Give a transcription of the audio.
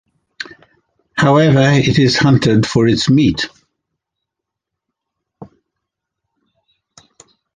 However, it is hunted for its meat.